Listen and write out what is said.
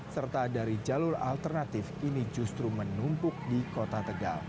serta dari jalur alternatif ini justru menumpuk di kota tegal